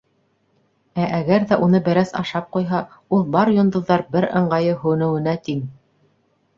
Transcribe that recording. Ә әгәр ҙә уны бәрәс ашап ҡуйһа, ул бар йондоҙҙар бер ыңғайы һүнеүенә тиң!